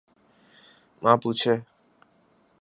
Mapuche